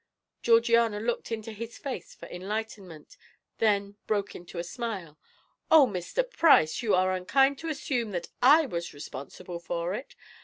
Georgiana looked into his face for enlightenment, then broke into a smile. "Oh, Mr. Price, you are unkind to assume that I was responsible for it.